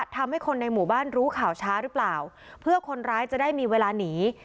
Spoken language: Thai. ทำให้คนในหมู่บ้านรู้ข่าวช้าหรือเปล่าเพื่อคนร้ายจะได้มีเวลาหนี